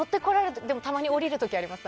でもたまに降りる時あります。